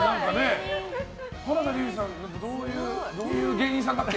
原田龍二さん、どういう芸人さんだっけ？